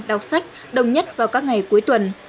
đọc sách đồng nhất vào các ngày cuối tuần